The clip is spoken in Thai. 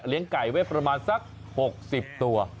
เลี้ยงไก่ไว้ประมาณสัก๖๐ตัว